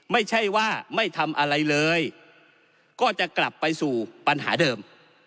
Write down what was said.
ไม่ใช่ว่าไม่ทำอะไรเลยก็จะกลับไปสู่ปัญหาเดิม